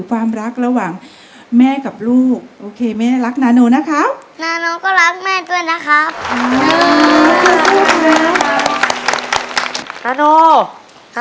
พี่ทำให้แม่ไว้ทุกวันชนะครับ